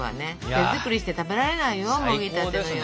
手作りして食べられないよもぎたてのよもぎを。